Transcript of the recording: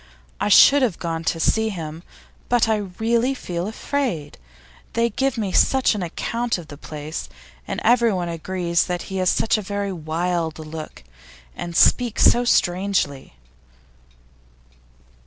I should have gone to see him, but I really feel afraid; they give me such an account of the place. And everyone agrees that he has such a very wild look, and speaks so strangely.